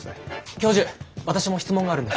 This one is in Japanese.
教授私も質問があるんです。